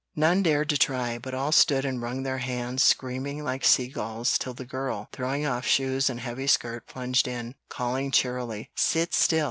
None dared to try, but all stood and wrung their hands, screaming like sea gulls, till the girl, throwing off shoes and heavy skirt plunged in, calling cheerily, "Sit still!